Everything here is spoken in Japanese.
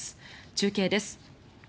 中継です。